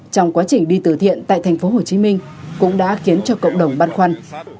trong quá trình đi từ thiện tại thành phố hồ chí minh cũng đã khiến cho cộng đồng băn khoăn